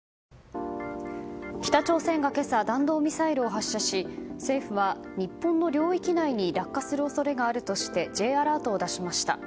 北朝鮮が今朝、弾道ミサイルを発射し政府は日本の領域内に落下する恐れがあるとしてＪアラートを出しました。